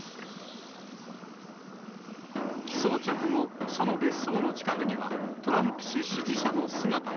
起訴直後、その別荘の近くには、トランプ氏支持者の姿が。